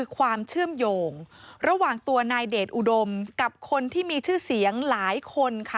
ความเชื่อมโยงระหว่างตัวนายเดชอุดมกับคนที่มีชื่อเสียงหลายคนค่ะ